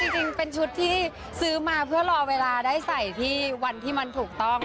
จริงเป็นชุดที่ซื้อมาเพื่อรอเวลาได้ใส่ที่วันที่มันถูกต้อง